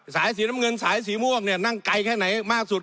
สายสีน้ำเงินสายสีม่วงเนี่ยนั่งไกลแค่ไหนมากสุด